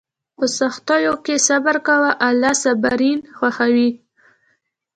په سختیو کې صبر کوه، الله صابرین خوښوي.